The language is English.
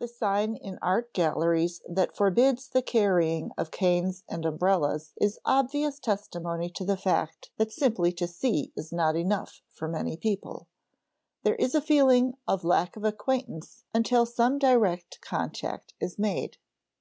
The sign in art galleries that forbids the carrying of canes and umbrellas is obvious testimony to the fact that simply to see is not enough for many people; there is a feeling of lack of acquaintance until some direct contact is made.